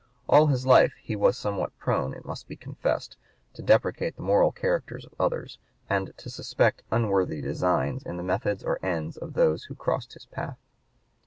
All his life he was somewhat prone, it must be confessed, to depreciate the moral characters of others, and to suspect unworthy designs in the methods or ends of those who crossed his path.